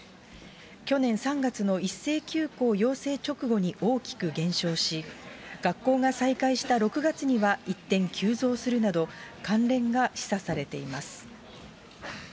去年３月の一斉休校要請直後に大きく減少し、学校が再開した６月には一転、急増するなど、関連が示唆されています。